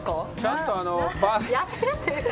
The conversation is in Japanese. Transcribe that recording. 痩せるっていうか。